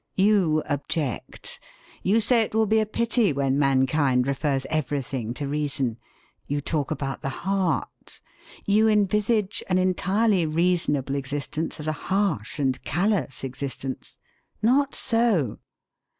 You object. You say it will be a pity when mankind refers everything to reason. You talk about the heart. You envisage an entirely reasonable existence as a harsh and callous existence. Not so.